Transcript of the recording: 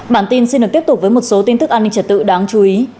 bản tin xin được tiếp tục với một số tin tức an ninh trật tự đáng chú ý